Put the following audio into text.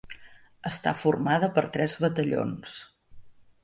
Està formada per tres batallons.